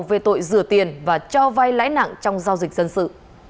về tội rửa tiền và cho vay lãi nặng trong giao dịch dân sự